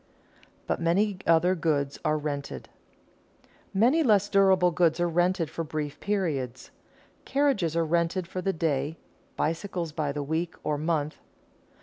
[Sidenote: But many other goods are rented] Many less durable goods are rented for brief periods. Carriages are rented for the day, bicycles by the week or month.